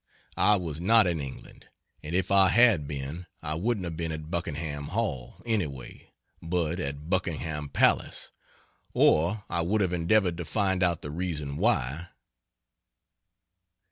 I was not in England, and if I had been I wouldn't have been at Buckenham Hall, anyway, but at Buckingham Palace, or I would have endeavored to find out the reason why."